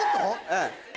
ええ。